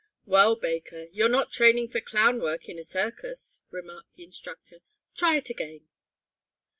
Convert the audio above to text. "Well, Baker, you're not training for clown work in a circus," remarked the instructor. "Try it again."